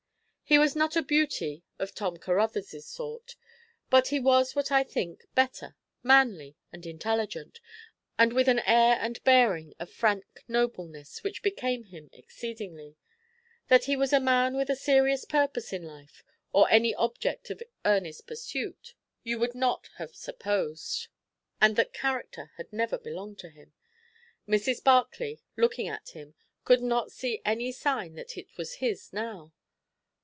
He was not a beauty of Tom Caruthers' sort, but he was what I think better; manly and intelligent, and with an air and bearing of frank nobleness which became him exceedingly. That he was a man with a serious purpose in life, or any object of earnest pursuit, you would not have supposed; and that character had never belonged to him. Mrs. Barclay, looking at him, could not see any sign that it was his now.